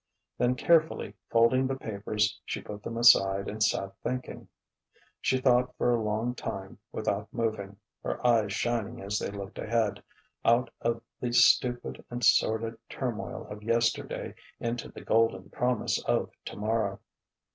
Then carefully folding the papers, she put them aside and sat thinking. She thought for a long time without moving, her eyes shining as they looked ahead, out of the stupid and sordid turmoil of yesterday into the golden promise of tomorrow.